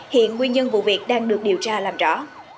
hiện nguyên nhân vụ việc đang được điều tra làm rõ